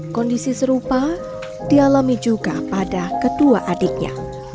kondisi serupa dialami juga pada kedua adiknya